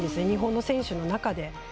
日本の選手の中で。